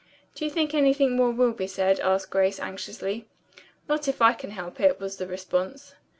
"Do you think anything more will be said?" asked Grace anxiously. "Not if I can help it," was the response.